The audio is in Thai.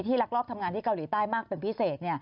ลักลอบทำงานที่เกาหลีใต้มากเป็นพิเศษ